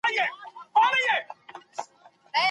د لمر وړانګې ورو ورو پیکه کېدې.